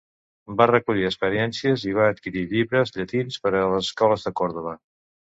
Va recollir experiències i va adquirir llibres llatins per a les escoles de Còrdova.